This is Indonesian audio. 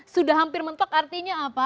sudah hampir mentok artinya apa